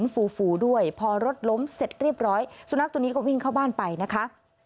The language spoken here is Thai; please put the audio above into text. ฟูฟูด้วยพอรถล้มเสร็จเรียบร้อยสุนัขตัวนี้ก็วิ่งเข้าบ้านไปนะคะ